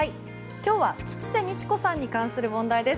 今日は吉瀬美智子さんに関する問題です。